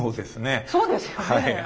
そうですね。